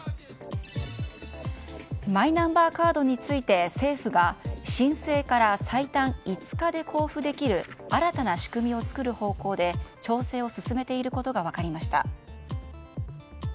マイナンバーカードについて政府が申請から最短５日で交付できる新たな仕組みを作る方向で調整を進めていることが分かりました。